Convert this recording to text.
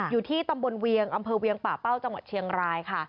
อยู่ที่ตำบลเวียงอำเภอเวียงป่าเป้าจังหวัดเชียงรายค่ะ